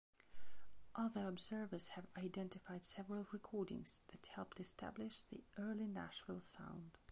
Other observers have identified several recordings that helped establish the early Nashville sound.